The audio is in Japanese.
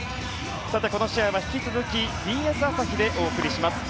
この試合は引き続きＢＳ朝日でお送りします。